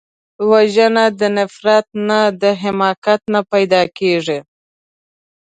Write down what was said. وژنه د نفرت نه، د حماقت نه پیدا کېږي